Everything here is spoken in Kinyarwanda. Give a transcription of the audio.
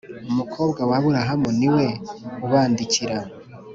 Umukobwa wa Aburahamu niwe ubandikira.